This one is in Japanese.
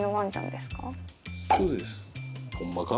そうです。